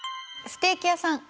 ステーキ屋さん。